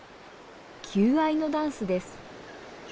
求愛のダンスです。